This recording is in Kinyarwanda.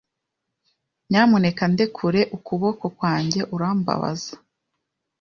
Nyamuneka ndekure ukuboko kwanjye. Urambabaza.